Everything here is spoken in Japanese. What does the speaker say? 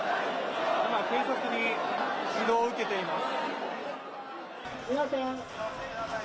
今、警察に指導を受けています。